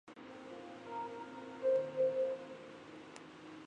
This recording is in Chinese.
发现了与月海不同的化学成分。